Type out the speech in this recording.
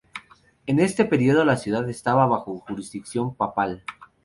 En este periodo la ciudad estaba bajo jurisdicción papal.